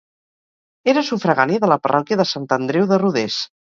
Era sufragània de la parròquia de Sant Andreu de Rodés.